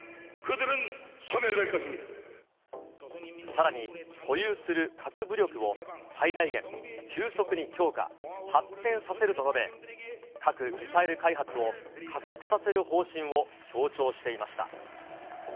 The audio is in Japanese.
さらに、保有する核武力を最大限急速に強化、発展させると述べ、核・ミサイル開発を加速させる方針を強調していました。